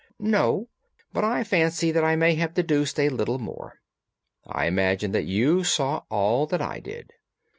"No, but I fancy that I may have deduced a little more. I imagine that you saw all that I did."